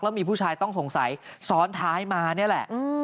มีผู้ชายต้องสงสัยซ้อนท้ายมานี่แหละ